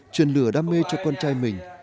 truyền lửa đam mê cho con trai mình